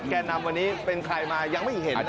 แก่นำวันนี้เป็นใครมายังไม่เห็นนะ